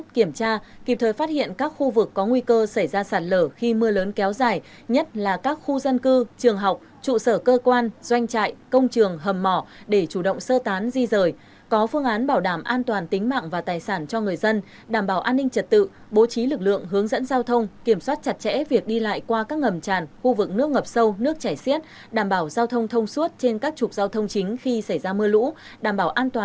kiểm tra kịp thời phát hiện các khu vực có nguy cơ xảy ra sàn lở khi mưa lớn kéo dài nhất là các khu dân cư trường học trụ sở cơ quan doanh trại công trường hầm mỏ để chủ động sơ tán di rời có phương án bảo đảm an toàn tính mạng và tài sản cho người dân đảm bảo an ninh trật tự bố trí lực lượng hướng dẫn giao thông kiểm soát chặt chẽ việc đi lại qua các ngầm tràn khu vực nước ngập sâu nước chảy xiết đảm bảo giao thông thông suốt trên các trục giao thông chính khi xảy ra mưa lũ đảm bảo